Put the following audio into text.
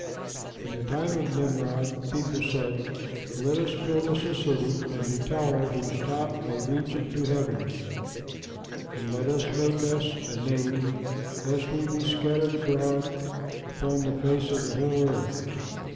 In the time of Nimrod, the people said, "Let us build us a city and a tower, whose top may reach unto Heaven; and let us make us a name, lest we be scattered abroad upon the face of the whole earth."